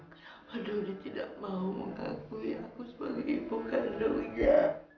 kenapa dody tidak mau mengakui aku sebagai ibu kandungnya